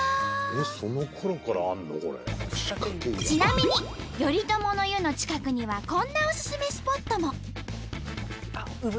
ちなみに頼朝の湯の近くにはこんなおすすめスポットも。